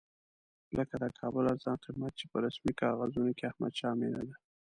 لکه د کابل ارزان قیمت چې په رسمي کاغذونو کې احمدشاه مېنه ده.